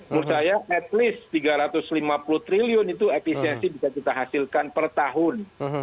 menurut saya at least tiga ratus lima puluh triliun itu efisiensi bisa kita hasilkan per tahun